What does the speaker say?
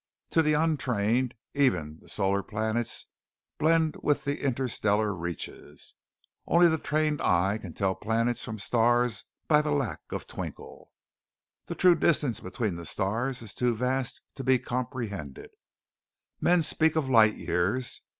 To the untrained, even the solar planets blend with the interstellar reaches. Only the trained eye can tell planets from the stars by the lack of twinkle. The true distances between the stars is too vast to be comprehended. Men speak of light years.